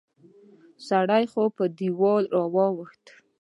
سړی خو په دیوال را واوښت